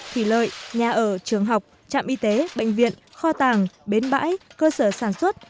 thủy lợi nhà ở trường học trạm y tế bệnh viện kho tàng bến bãi cơ sở sản xuất